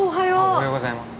おはようございます。